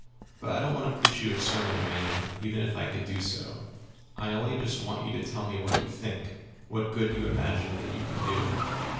But I don't want to preach you a sermon, Erema, even if I could do so. I only just want you to tell me what you think, what good you imagine that you can do."